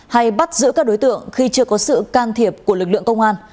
hay bắt giữ các đối tượng khi chưa có sự can thiệp của lực lượng công an